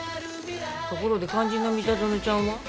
ところで肝心の三田園ちゃんは？